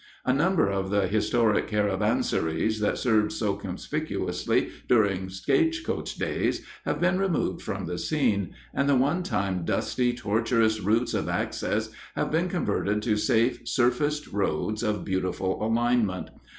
A number of the historic caravansaries that served so conspicuously during stagecoach days have been removed from the scene, and the one time dusty, tortuous routes of access have been converted to safe, surfaced roads of beautiful alignment.